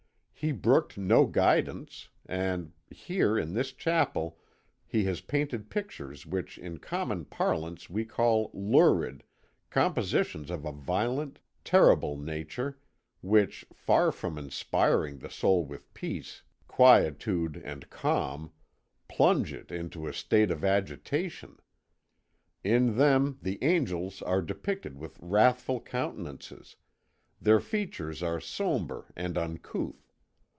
He brooked no guidance and, here, in this chapel he has painted pictures which in common parlance we call lurid, compositions of a violent, terrible nature which, far from inspiring the soul with peace, quietude, and calm, plunge it into a state of agitation. In them the angels are depicted with wrathful countenances, their features are sombre and uncouth.